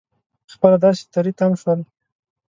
خپله داسې تری تم شول.